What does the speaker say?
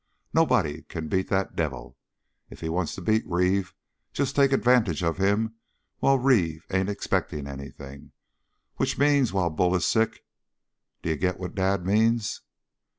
Nobody can beat that devil. If he wants to beat Reeve, just take advantage of him while Reeve ain't expecting anything which means while Bull is sick.' Do you get what Dad means?"